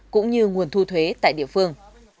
cũng như nguồn thu thuế tại địa phương